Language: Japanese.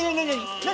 何？